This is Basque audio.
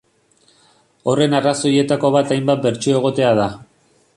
Horren arrazoietako bat hainbat bertsio egotea da.